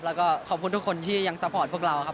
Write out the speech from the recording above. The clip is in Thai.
แล้วก็ขอบคุณทุกคนที่ยังซัพพอร์ตพวกเราครับ